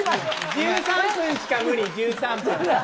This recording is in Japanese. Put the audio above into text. １３分しか無理、１３分。